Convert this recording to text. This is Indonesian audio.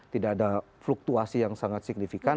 tidak ada fluktuasi yang sangat signifikan